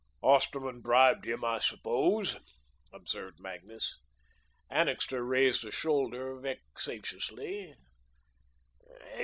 "Osterman bribed him, I suppose," observed Magnus. Annixter raised a shoulder vexatiously.